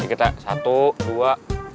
dikit ya satu dua